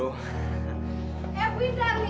itu itu itu